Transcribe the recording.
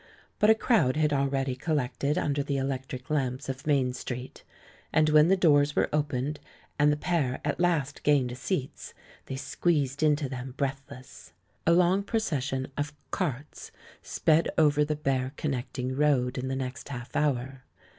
But a crowd had already collected under the electric lamps of Main Street. And when the doors were opened, and the pair at last gained seats, they squeezed into them breathless. A long procession of "carts" sped over the bare connecting road in the next half hour.